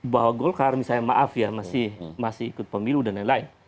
bahwa golkar misalnya maaf ya masih ikut pemilu dan lain lain